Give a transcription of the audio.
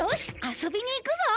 遊びに行くぞ！